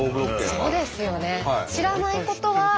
そうですよね。